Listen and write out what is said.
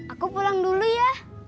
aku pulang dulu ya